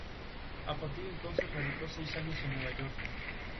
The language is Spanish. A partir de entonces radicó seis años en Nueva York.